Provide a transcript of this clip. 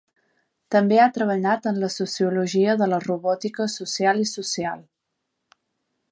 També ha treballat en la sociologia de la robòtica social i social.